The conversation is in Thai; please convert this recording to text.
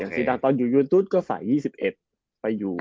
อย่างซีดานตอนอยู่ยูนธุสก็ใส่๒๑ไปอยู่